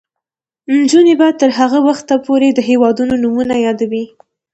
نجونې به تر هغه وخته پورې د هیوادونو نومونه یادوي.